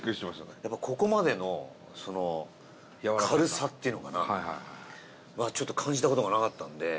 東山：ここまでの軽さっていうのかなちょっと感じた事がなかったんで。